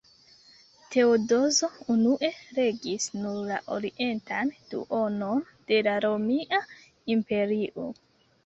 Teodozo unue regis nur la orientan duonon de la romia imperio.